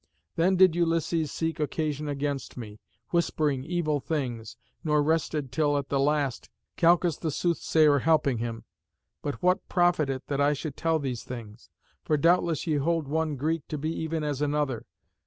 Then did Ulysses seek occasion against me, whispering evil things, nor rested till at the last, Calchas the soothsayer helping him but what profit it that I should tell these things? For doubtless ye hold one Greek to be even as another.